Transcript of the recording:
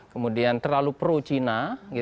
kemudian terlalu pro cina